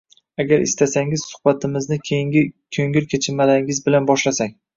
Agar istasangiz, suhbatimizni keyingi ko‘ngil kechinmalaringiz bilan boshlasak…